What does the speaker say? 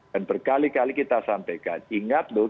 dan berkali kali kita sampaikan ingat loh kita belajar loh